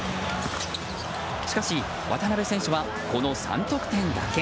しかし渡邊選手はこの３得点だけ。